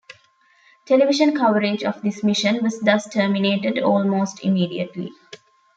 Television coverage of this mission was thus terminated almost immediately.